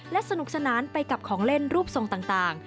และสนุกสนานไปกับของเล่นรูปทรงต่าง